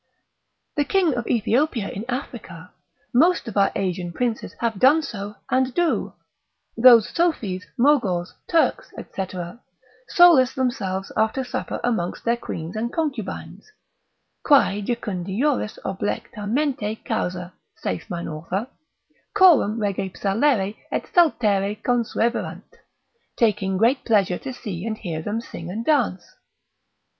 The king of Ethiopia in Africa, most of our Asiatic princes have done so and do; those Sophies, Mogors, Turks, &c. solace themselves after supper amongst their queens and concubines, quae jucundioris oblectamenti causa (saith mine author) coram rege psallere et saltare consueverant, taking great pleasure to see and hear them sing and dance.